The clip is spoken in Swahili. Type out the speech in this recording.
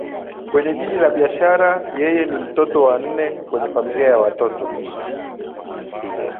kwenye jiji la biashara Yeye ni mtoto wa nne kwenye familia ya watoto